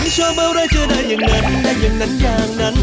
ชอบอะไรจะได้อย่างนั้นได้อย่างนั้นอย่างนั้น